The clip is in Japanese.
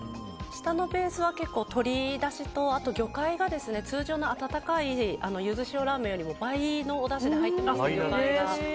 下のベースは鶏だしとあと、魚介が通常の温かい柚子塩らーめんよりも倍のおだしで入っていますので。